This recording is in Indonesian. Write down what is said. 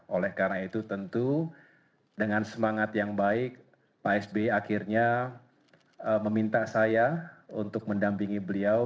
oleh karena itu tentu dengan semangat yang baik pak sby akhirnya meminta saya untuk mendampingi beliau